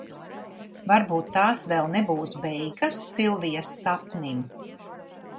Varbūt tās vēl nebūs beigas Silvijas sapnim?